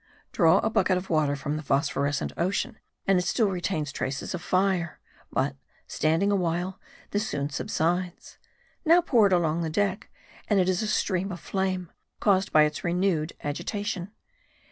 Draw a bucket of water from the phos phorescent ocean, and it still retains traces of fire ; but, standing awhile, this soon subsides. Now pour it along the deck, and it is a stream of flame ; caused by its renewed agitation.